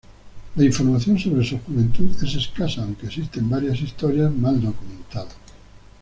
La información sobre su juventud es escasa, aunque existen varias historias mal documentadas.